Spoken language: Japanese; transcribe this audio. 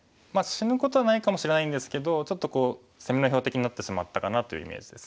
死ぬことはないかもしれないんですけどちょっとこう攻めの標的になってしまったかなというイメージです。